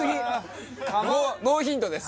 ノーヒントです。